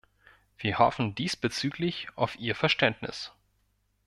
Wir hoffen diesbezüglich auf Ihr Verständnis.